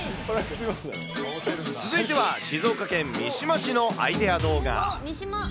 続いては静岡県三島市のアイデア動画。